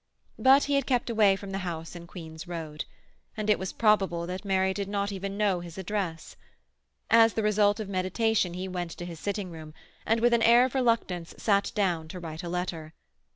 But he had kept away from the house in Queen's Road, and it was probable that Mary did not even know his address. As the result of meditation he went to his sitting room, and with an air of reluctance sat down to write a letter.